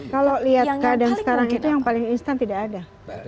kalau lihat keadaan sekarang itu yang paling instan tidak ada